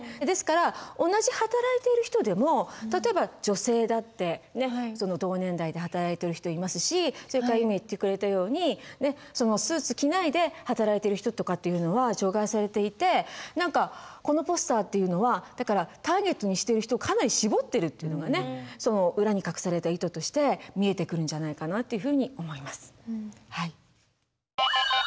ですから同じ働いている人でも例えば女性だってその同年代で働いている人いますしそれから今言ってくれたようにスーツ着ないで働いている人とかっていうのは除外されていて何かこのポスターっていうのはだからターゲットにしてる人かなり絞ってるっていうのがねその裏に隠された意図として見えてくるんじゃないかなっていうふうに思います。